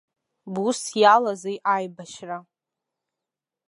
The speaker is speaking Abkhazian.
Бусс иалази аибашьра?!